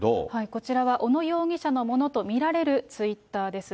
こちらは小野容疑者のものと見られるツイッターです。